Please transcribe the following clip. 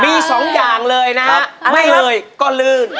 มี๒อย่างเลยนะครับไม่เลยก็ลืน